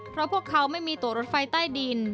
เพราะพวกเขาไม่มีตัวรถไฟใต้ดิน